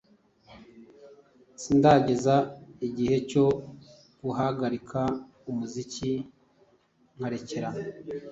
Sindageza igihe cyo guhagarika umuziki nkarekera